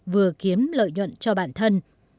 vừa kiếm lợi nhuận cho bản thân